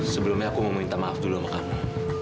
sebelumnya aku mau minta maaf dulu sama anak